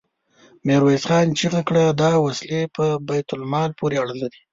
ميرويس خان چيغه کړه! دا وسلې په بيت المال پورې اړه لري.